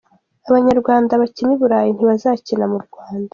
Abanyarwanda bakina i Burayi ntibazakina murwanda